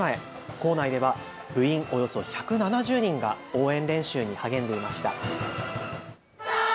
校内では部員およそ１７０人が応援練習に励んでいました。